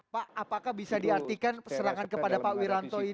pak apakah bisa diartikan serangan kepada pak wiranto ini